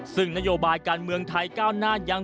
ซึ่งนโยบายการเมืองไทยก้าวหน้ายัง